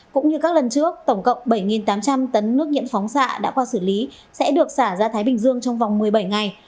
cũng như các lần trước tổng cộng bảy tám trăm linh tấn nước nghiệm phóng xạ đã qua xử lý sẽ được xả ra thái bình dương trong vòng một mươi bảy ngày